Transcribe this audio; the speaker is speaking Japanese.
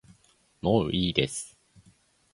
もういいです